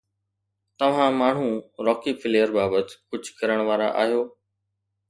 توهان ماڻهو Rocky Flair بابت ڪجهه ڪرڻ وارا آهيو